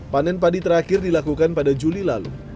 panen padi terakhir dilakukan pada juli lalu